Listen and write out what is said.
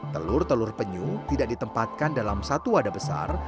telur telur penyu tidak ditempatkan dalam satu wadah besar